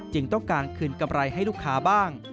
ต้องการคืนกำไรให้ลูกค้าบ้าง